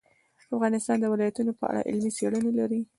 افغانستان د ولایتونو په اړه علمي څېړنې لري.